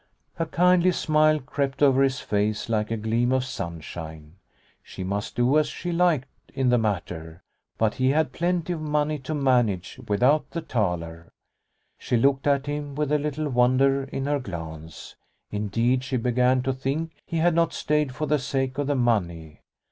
A kindly smile crept over his face like a gleam of sunshine. She must do as she liked in the matter, but he had plenty of money to manage, without the thaler. She looked at him with a little wonder in her glance. Indeed, she began to think he had not stayed for the sake of the money.